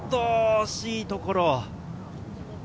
惜しいところ。